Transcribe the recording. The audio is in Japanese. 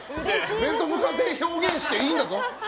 面と向かって表現していいんだぞ。